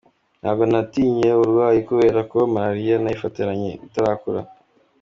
Ntabwo natindanye uburwayi kubera ko marariya nayifatiranye itarakura.